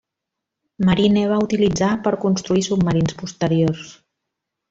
Marine va utilitzar per construir submarins posteriors.